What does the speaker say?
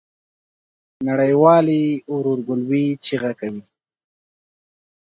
نړۍ والي ورورګلوی چیغه کوي.